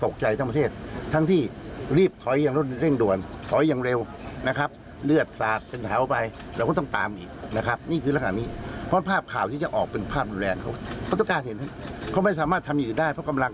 ก็จะเปลี่ยนเป็นเข้าพื้นที่แทนการประจำตามป้อมมานะคะ